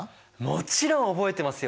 もちろん覚えてますよ。